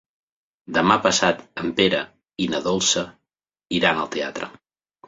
Demà passat en Pere i na Dolça iran al teatre.